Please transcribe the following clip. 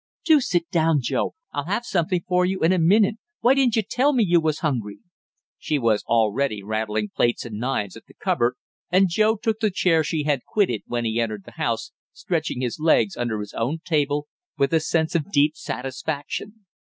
"Do set down, Joe; I'll have something for you in a minute why didn't you tell me you was hungry?" She was already rattling plates and knives at the cupboard, and Joe took the chair she had quitted when he entered the house, stretching his legs under his own table with a sense of deep satisfaction.